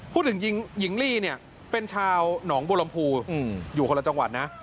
ผู้หญิงหญิงลีเนี่ยเป็นชาวหนองบัวลำพูอยู่คนละจังหวัดนะ